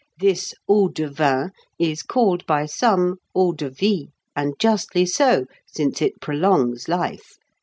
This eau de vin is called by some eau de vie, and justly so, since it prolongs life....